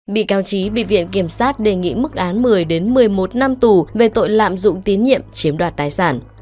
bị cáo trí bị viện kiểm sát đề nghị mức án một mươi một mươi một năm tù về tội lạm dụng tín nhiệm chiếm đoạt tài sản